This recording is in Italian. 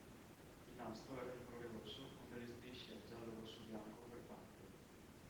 Il nastro era di colore rosso con delle strisce giallo-rosso-bianco per parte.